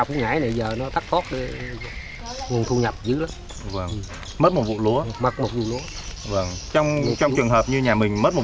cái nguồn thu nhập dữ lắm mất một vụ lúa mặc một vụ lúa trong trong trường hợp như nhà mình mất một